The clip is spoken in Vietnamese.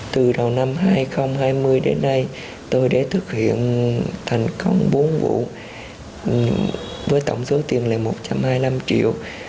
từ đầu năm hai nghìn hai mươi đến nay tôi đã thực hiện thành công bốn vụ với tổng số tiền là một trăm hai mươi năm triệu